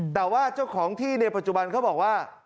แต่ว่าเจ้าของที่ในปัจจุบันเขาบอกว่า